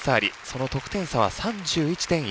その得点差は３１．１５０。